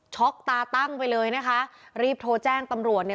ตาตั้งไปเลยนะคะรีบโทรแจ้งตำรวจเนี่ย